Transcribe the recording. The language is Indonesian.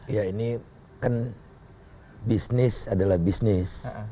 ya ini kan bisnis adalah bisnis